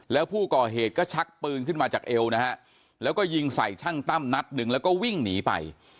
แล้วผู้ก่อเหตุก็ชักปืนขึ้นมาจากเอวนะฮะแล้วก็ยิงใส่ช่างตั้มนัดหนึ่งแล้วก็วิ่งหนีไป